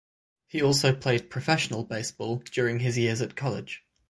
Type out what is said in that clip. He also played professional baseball during his years at college.